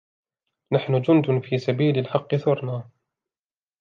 نحن جند في سبيل الحق ثرنا